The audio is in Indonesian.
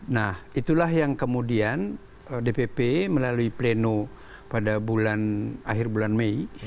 nah itulah yang kemudian dpp melalui pleno pada bulan akhir bulan mei